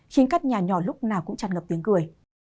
khiến các nhà nhỏ lúc nào cũng tràn ngập tiếng cười